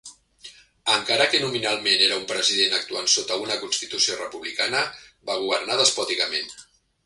Encara que nominalment era un president actuant sota una constitució republicana, va governar despòticament.